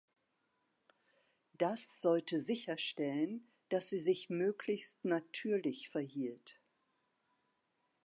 Das sollte sicherstellen, dass sie sich möglichst natürlich verhielt.